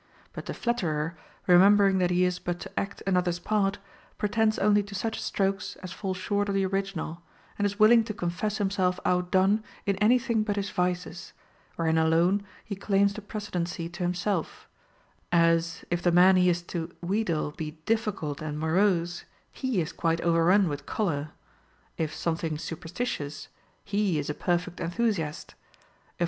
But the flatterer, remembering that he is but to act another's part, pretends only to such strokes as fall short of the original, and is willing to confess himself out done in any thing but his vices, wherein alone he claims the precedency to himself; as, if the man he is to wheedle be difficult and morose, he is quite overrun with choler ; if something superstitious, he is a perfect enthusiast ; if a FROM A FRIEND.